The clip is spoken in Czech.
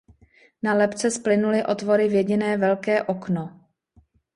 Na lebce splynuly otvory v jediné velké "okno".